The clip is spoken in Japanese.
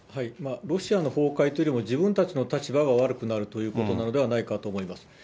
ロシアの崩壊というよりも自分たちの立場が悪くなるということなのではないかと思います。